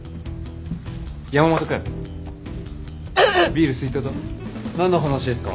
ビール好いとうと？何の話ですか？